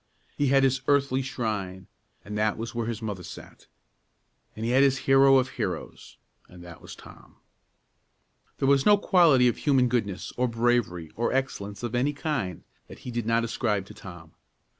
He had his earthly shrine, and that was where his mother sat. And he had his hero of heroes, and that was Tom. There was no quality of human goodness, or bravery, or excellence of any kind, that he did not ascribe to Tom.